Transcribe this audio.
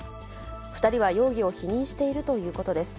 ２人は容疑を否認しているということです。